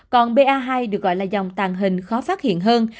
còn ba hai được gọi là dòng tàn hình khó phát hiện hơn